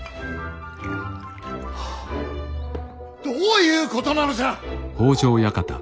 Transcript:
どういうことなのじゃ！